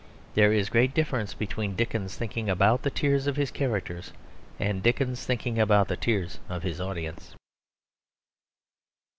There is a great difference between Dickens thinking about the tears of his characters and Dickens thinking about the tears of his audience.